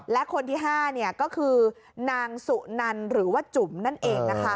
และคนที่๕ก็คือนางสุนันหรือว่าจุ๋มนั่นเองนะคะ